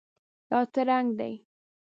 دا څه رنګ دی؟